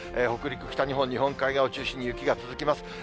北陸、北日本、日本海側を中心に、雪が続きます。